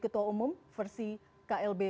ketua umum versi klb